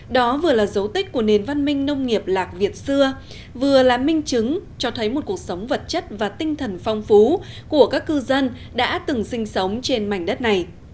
đó vừa là dấu tích của nền văn minh nông nghiệp lạc việt xưa vừa là minh chứng cho thấy một cuộc sống vật chất và tinh thần phong phú của các cư dân đã từng sinh sống trên mảnh đất này